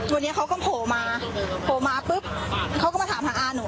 วันนี้เขาก็โผล่มาโผล่มาปุ๊บเขาก็มาถามหาอาหนู